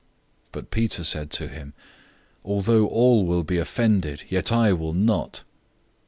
014:029 But Peter said to him, "Although all will be offended, yet I will not."